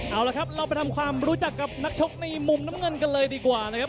เอาละครับเราไปทำความรู้จักกับนักชกในมุมน้ำเงินกันเลยดีกว่านะครับ